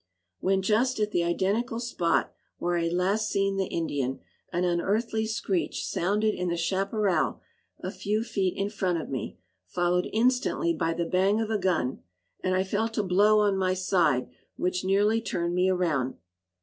When just at the identical spot where I had last seen the Indian, an unearthly screech sounded in the chaparral a few feet in front of me, followed instantly by the bang of a gun, and I felt a blow on my side which nearly turned me around.